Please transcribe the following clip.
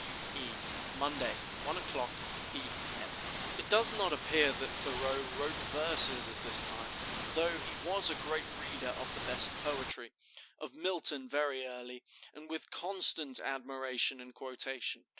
W. E. "Monday, 1 o'clock P. M." It does not appear that Thoreau wrote verses at this time, though he was a great reader of the best poetry, of Milton very early, and with constant admiration and quotation.